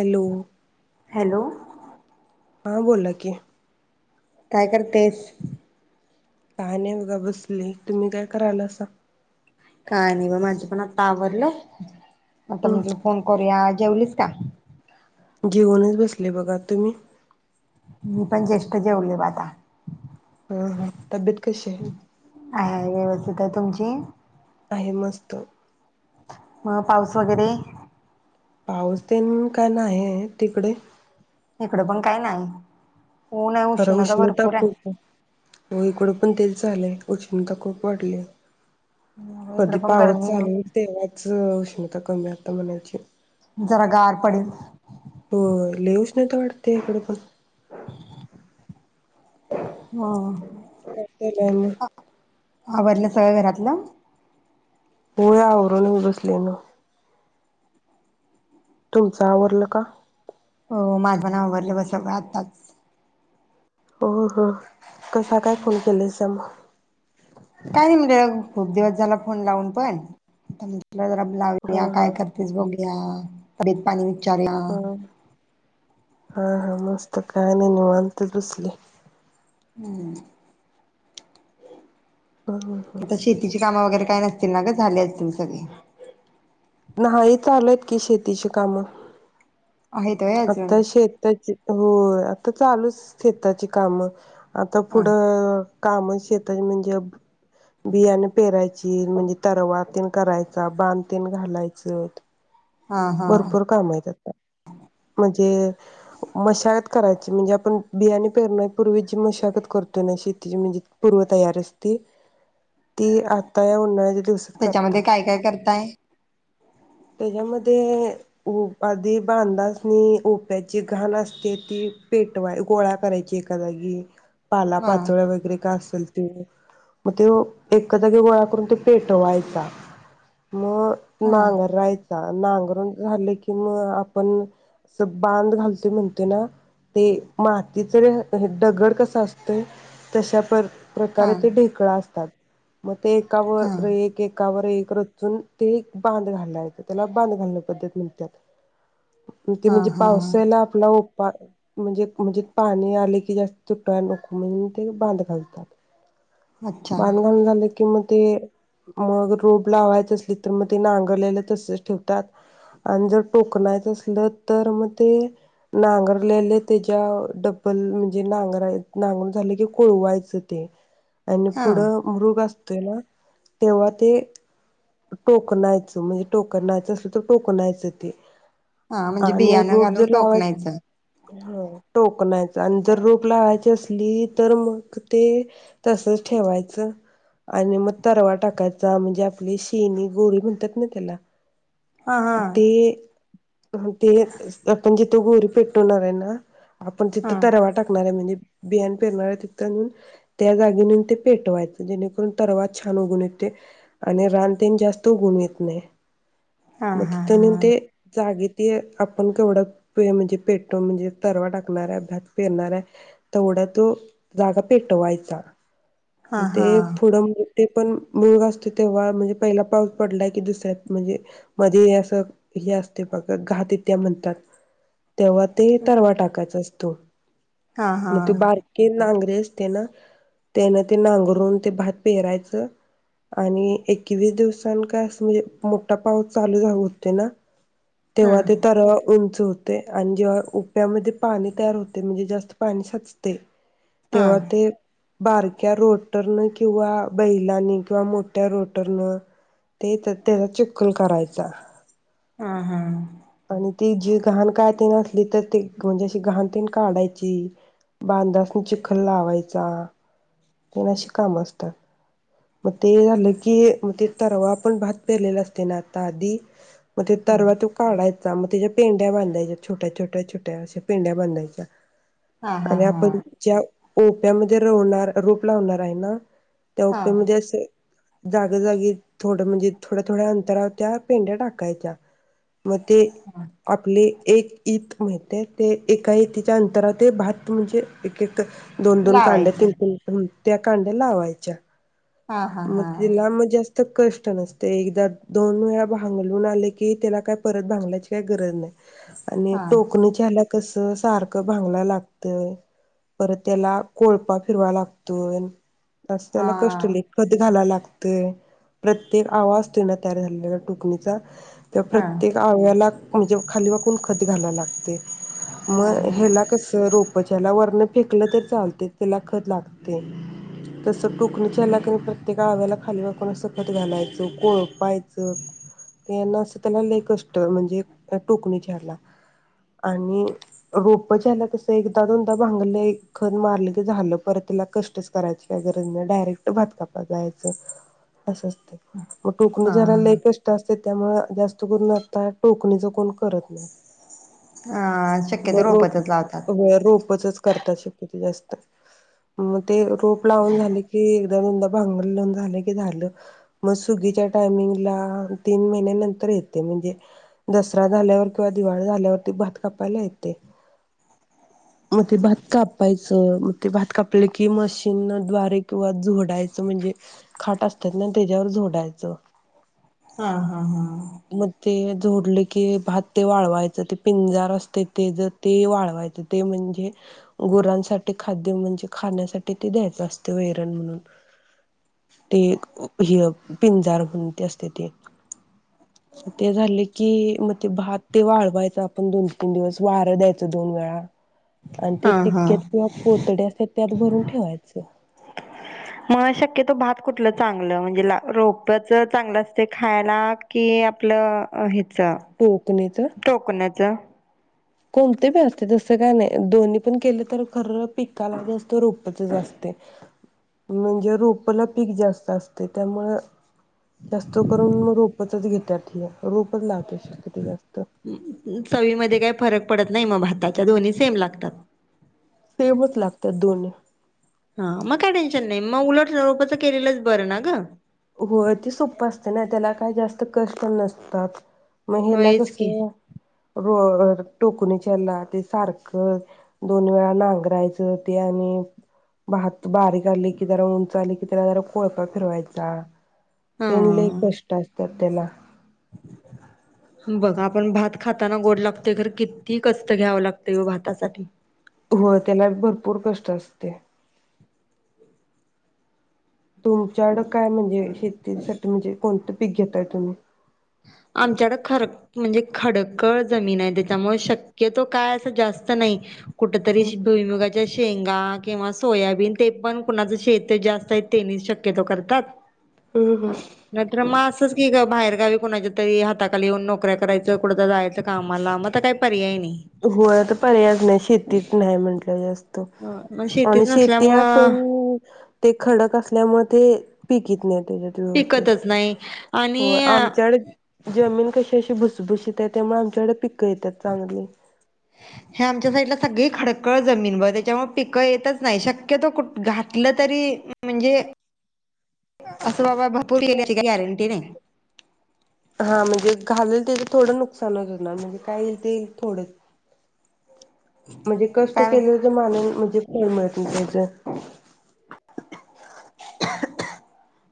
Hello hello हा बोला की काय करतेस. काय नाही बघा बसले तुम्ही काय करालासा काय नाही ब माझं पण आता आवरलं. आता म्हणजे हम्म फोन करुया जेवलीस का जेऊनच बसले बघा तुम्ही मी पण ज्येष्ठ जेवले ब आता हा हा तब्येत कशीय ठीकाय तुमची आहे मस्त मग पाऊस वगैरे पाऊस तेन काय नाइये तिकडे इकडं पण काय नाही. ऊन आहे खरं उष्णता भरपूर खूपाय हो इकडं पण तेच झालंय. उष्णता खूप वाढली आहे. आहे इकडे कधी पण पाऊस गरमी चालूहोईल तेंव्हाच उष्ण [unintelligible] जरा गार पडील होय [unintelligible] हां काय मग आवरलं सगळ घरातलं? होय आवरूनच बसलोय नव तुमचं आवरलं का? हो माझ पण आवरल ब सगळं आत्ताच. हो हो कसा काय फोन केलायसा मग [unintelligible] खुप दिवस झालं फोन लावून पण म्हटलं हा लाऊया हा काय करतेस बघुया. हा [unintelligible] [unintelligible] हा हा मस्त काय नाही निवांत बसले. हम्म हं हं हं. आता शेतीची कामं वगैरे काय नाहीत? झाली असतील सगळी नाही, चालू आहेत की शेतीची कामं आहेत होय अजून आता शेताची होय. चालूच शेताची काम. आता ह पुढ काम शेतात म्हणजे बियाणे पेरायची, म्हणजे तरवा तेन करायचा, बांधतेण घालायचं. हा हा भरपूर काम आहेत आता. मशागत करायची म्हणजे, आपण बियाणे पेरण्यापूर्वीची मशागत करतोय म्हणजे, पूर्व तयारी असते ती आता या उन्हात त्याच्यामध्ये काय काय करताय? तेजा मध्ये आधी बांधा ओप्याची घाण असते ती पेटवाय, गोळा करायची एका जागी. पाला हा पाचोळ्या वगैरे कास मग ते एका जागी गोळा करून तो पेटवायचा. मग हा नांगराय नांगरुण झाल कि मग आपण. अस बांध घालते म्हणते, ना ते मातीच हे दडगड कसा असतंय तशाप हा प्रकारे ते ढेकळा असतात. म ते हा एकावर एक एकावर एक. रचून ते बांध घाललाय, त्याला बांध घालण पद्धत म्हणत्यात. ते हा म्हणजे हा पावसेला आपला म्हणजे, म्हणजे पाणी आले की जास्त तुटाय नको म्हणजे ते बांध घालतात. अच्छा बांध [unintelligible] झालं कि म ते मग रोप लावायचं असली तर मग ते नांगरलेलं तसच ठेवतात आणि जर टोकनायचं असल तर मग ते नांगरलेले तेच्या डब्बल म्हणजे नांगराय नांगरुन झाले की कोळवायच ते. आणि हा पुढं मृग असत तेव्हा ते टोकनायचं, म्हणजे टोकनायचं असत तर टोकनायचं ते. हा, म्हणजे बियाणं घालून टोकण्यायचं. ह टोकनायच आणि जर रोप लावायची असली तर मग ते तसच ठेवायचं आणि मग तरवा टाकायचा म्हणजे आपली शेणी गोरी म्हणतात ना त्याला. हा हा. ते ते आपण जिथे गोरी पेटवणार आहे ना. आपण हा तिथं तरवा टाकणार आहे म्हणजे बियाण पेरणाऱ्या तिथं त्या जागी नून ते पेटवायचं जेणेकरून तरवा छान उगून येते आणि रानतेण जास्त उघून येत नाही. हा म हा तिथे नेऊन ते जागी ते आपण केवढं म्हणजे पेटो म्हणजे तरवा टाकणार आहे भात पेरणार आहे तेवढा तो जागा पेटवायचा. हा हा ते पुढं ते पण मुग असते तेव्हा म्हणजे पहिला पाऊस पडलाय की दुसऱ्यात म्हणजे मध्ये असं हे असते बघ. घातित्या म्हणतात. तेव्हा ते तरवा टाकायचं असत. तो. हा हा हा मग तो बारके नांग्रेस. त्यान त्यान ते नांगरून ते भात पेहरायचं आणि एकवीस दिवसां का अस म्हणजे मोठा पाऊस चालू झा होते ना हा हा तेव्हा ते तर उंच होत. ते आणि जेव्हा उप्यामध्ये पाणी तयार होते म्हणजे जास्त पाणी साचते हा तेव्हा ते बारक्या रोटरनं किंवा बैलांनी किंवा मोठ्या रोटरनं ते त्याचा चिखोल करायचा. हां हां. आणि ती जी घहाण काय त न असली तर ती म्हणजे अशी घहाण तेन काढायची बांधासनी चिखल लावायचा. ते मशी काम असतात. मग ते झालं की मग ते तरवा आपण भात पेरलेला असते ना, आता आधी. मग ते तरवा तो काढाय [unintelligible] तेज्या पेंड्या बांधयच्या छोट्या, छोट्या, छोट्या अश्या पेंड्या बांधायच्या. हा हा आणि हा आपण ज्या ओप्यामध्ये रोवणार रोप लावणार आहे ना? हा ते म्हणजे असं जागोजगी थोडं म्हणजे थोड्या, थोड्या अंतरावर त्या पेंड्या टाकायच्या. म ते आपली एक ईत माहितेय ते एका ईतीच्या अंतरात भात म्हणजे एक एक दोन दोन कांड्या लावायचं [unintelligible] त्या कांड्या लावायच्या. हां हां हां. तर कष्ट नसते एकदा दोन वेळा भांगलून आले की त्याला काय परत भांगल्यायाची काही गरज नाही. आणि हा टोकणीच्या आल्यात कस सारख भांगलाय लागतंय परत त्याला कोळपा फिरवा लागतोय. हा असत्याला कष् हा चुलीत कधी घाला लाग ते प्रत्येक आवा असतोय ना त्यातघालाला टोकणीचा त्या प्रत्येक हा आव्याला [unintelligible] खाली वाकून खत घायला लागतय. म हा हेला कसं रोप म्हणजे ह्याला वरन फेकलं तर चालतय त्याला खत लागतय तस टोकणी त्यालाकनी प्रत्येक आव्याला खालीवाकून अस खत घालायच, कोळपायच, यान अस त्याला लयी कष्ट महणजे अ टोकणीच्याला आणि रोपच्याला कस एकदा दोनदा भागंल खत मारल की झाल परत त्याला कष्ट कराची काय गरज नाही डायरेक्ट भात कापाय जायच अस अस मग टोकणीच्याहेला हा लयी कष्ट अस ते त्याच्यामुळे जास्त करून आता टोकणीच कोण करत नाही, हा म शक्यतो रोप रोपातच लावतात. होय रोप. खूपचच करतात शक्यतो जास्त मग ते रोप लावून झाले की एकदा दोनदा भागंलून झाल की झाल, मग सुगीच्या टायमिंगला तीन महिन्या नंतर येते म्हणजे दसरा झाल्यावर किंवा दिवाळी झाल्यावर ते भात कायला येतेय, म ते भात कापायच म ते भात कापले कि मशीन द्वारे किंवा झो झोडायच म्हणजे खोट असतात ना त्याच्यावर झोडायच. हां हां हां. ते झोडल की भात ते वाळवायच ते पिंजार असतय तेज ते वाळवायच ते म्हणजे गुरांसाठी खाद्य म्हणजे खाण्यासाठी ते द्यायचं असते वैरण म्हणून. ते एक यह पिंजार म्हणून ते असतय ते, ते झाले कि मग ते भात ते वाळवायच आपण दोन तीन दिवस वार द्यायचं दोन वेळा. आणि ते हा हा. टिक्क्यात किंवा पोतड्यात हे त्यात भरून ठेवायच. आं शक्यतो भात कुठलं चांगलं म्हणजे रोपच चांगलं असतय खायला की आपलं हे च्या, टोकणीच टोकण्यात च्या. कोणते बी असते तस काय नाही दोन्ही पण केले तर खर पिकाला जास्त रोपचच असतय, म्हणजे रोपला पीक जास्त असतय त्यामुळ, जास्त करून रोपचच घेत्यात हे. लावते शक्यतो जास्त अ चवी मधे काय फरक पडत नाही म भाताच्या दोन्ही सेम लागतात. सेमच लागतात दोन्ही हा म काय टेन्शन नाही म उलट लो पचं केलेलंच बरं ना गं. होय ते सोप्प असत ना त्याला काही जास्त कष्ट नसतात. म हेला होयच कसं की हो होय टोकणी च्याला ते सारखं दोन वेळा नांगरायचं ते आणि भात बारीक आली की जरा उंच आली कि त्याला जरा कोळका फिरवायचा. हा. हा. त्यांन कष्टा अस - - त्यात तेला. बघ आपण भात खाताना गोड लागतोय खर कित्ती कस्त घ्यावं लागतंय ब भातासाठी - - होय. त्याला भरपूर कष्ट असतयं. तुमच्याड काय म्हणजे शेतीसाठी म्हणजे कोणतं पीक घेताय तुम्ही? आमच्याकड खर म्हणजे खडकळ जमीन हाय त्याच्यामुळ शक क्यतो काय असं जास्त नाही. कुठतरी हम्म श भुईमुगा - - च्या शेंगा किंवा सोयाबीन ते पण कुणाच शेत जास्त आहे तेनी शक्यतो करतात. हम्म. नंतर म असंच की गप - - बाहेर गावी - - कुणाच्या तरी हाताखाली येऊन नोकऱ्या करायचं. कुठंतर जायाचं. कामाला म अता काय पर्याय नई. होय आता पर्यायज नाही. शेतीचं नाही म्हणट - - ल्यास. त मग शेतीच आणि शेती नसल्यामुळं असून ते खडक असल्यामुळ ते - - पीक ईत नाईत. पिकतच नाही. होय. आणि आमच्या कडे - - जमीन कशी अशी भुसभुशीत हाय त्यामुळे आमच्याकडे पिक येत्यात चांगली. हे आमच्या साईडला सगळी खडकळ जमीन ब त्याच्यामुळे पिकं येतच नाही शक्यतो कुठ घातलं तरी म म्हणजे - - असं बाबा भरपूर [unintelligible] येईल याची काय गॅरंटी नाही. हा म्हणजे घालेल ते थोडं नुकसान होणार म्हणजे काय येईल ते थोडं- - म्हणजे कष्ट कारण केले जो माणू म्ह - - कोम येतील त्याच्यात.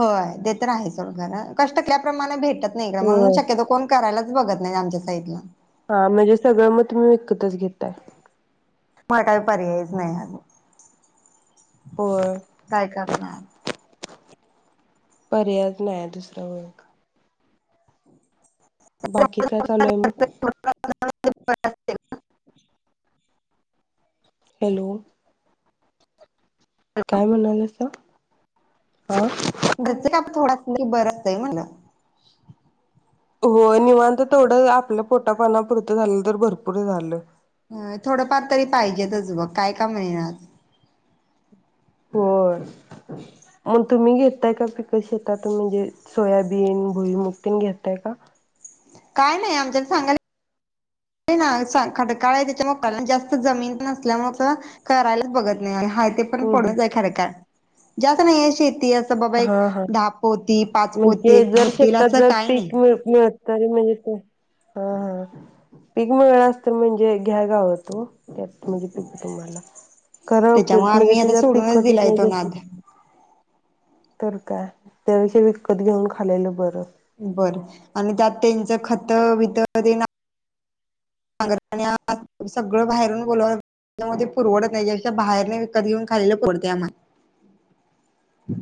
होय ते तर आहे सोड खर कष्ट केल्याप्रमाणे भेटत नाही म्हणून होय शक्यतो कोण करायलाच बघत नाही. नाही आमच्या साईडला. हां म्हणजे सगळं म् तुम्ही विकतच घेताय. म् काय पर्यायच नाही आता. होय काय करणार. पर्यायच नाही दुसरा बाकी काय चालू आहे मग? [inaudible] हॅलो काय म्हणालासा? हां घरचं काय आपल थोड असल की बर असतंय म्हणलं होय निवांत तेवढं आपल्या पोटापाण्यापुरतं झालं तर भरपूर झाले हं थोडंफार तरी पाहिजेेतच बघ काय का मिळणा होय मग तुम्ही घेताय का पीक शेतातून म्हणजे सोयाबीन भुईमुग तेन घेतय का? काय नाही आमच्याला सांगायलाोय ना खडकाळ त्याच्यामुळे जास्त जमीन नसल्यामुळे करायलाच बघत नाही आ हाय ते पण हम्म हम्म. पडूनच हाय खडकाळ जास्त नाहीय शे् ती असं बाबा एक हा हा दहा पोती पाच पोती म्हणजे एक होतील असं काय नाही ल असत तरी म्हणजे ते हां हां पीक मिळल असत म्हणजे घ्यागावत ओ त्यात म्हणजे पीक तुम्हाला त्याच्यामुळे खराबच म्हणजे आम्ही आता त्याच्यात सोडूनच पिकच येत दिलाय तो नाही नाद तर तर काय त्यापेक्षा विकत घेऊन खाल्लेलं बरं बरं आणि त्यात त्यांच खत बित तेन सगळं बाहेरून बोलवून म परवडत नाही त्यापेक्षा बाहेरून विकत घेऊन खालेलं परवडतंय आम्हाला